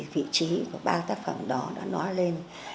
vị trí của ba tác phẩm đó đã nói lên